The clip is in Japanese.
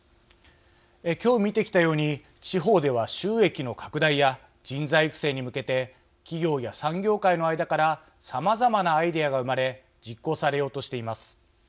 今日見てきたように地方では、収益の拡大や人材育成に向けて企業や産業界の間からさまざまなアイデアが生まれ実行されようとしています。